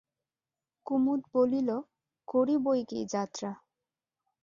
কুমুদ বলিল, করি বৈকি যাত্রা।